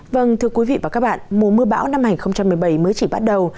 vâng thưa quý vị và các bạn mùa mưa bão năm hai nghìn một mươi bảy mới chỉ bắt đầu